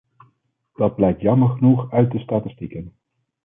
Dat blijkt jammer genoeg uit de statistieken.